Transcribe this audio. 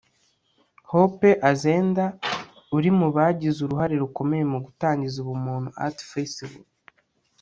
Hope Azeda uri mu bagize uruhare rukomeye mu gutangiza Ubumuntu Arts Festival